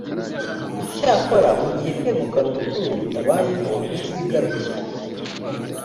icyakora mu gihe kwegukana umutungo bitabayeho uzigarukire